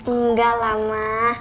enggak lah ma